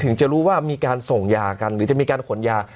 ถึงจะรู้ว่ามีการส่งยากันหรือจะมีการขนยา